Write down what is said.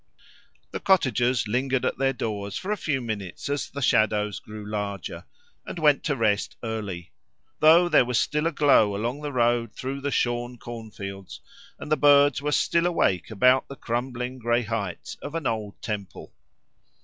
The cottagers lingered at their doors for a few minutes as the shadows grew larger, and went to rest early; though there was still a glow along the road through the shorn corn fields, and the birds were still awake about the crumbling gray heights of an old temple.